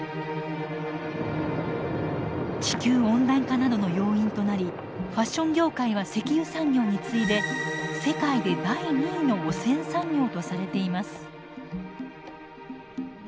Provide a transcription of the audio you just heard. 地球温暖化などの要因となりファッション業界は石油産業に次いで世界で第２位の汚染産業とされています。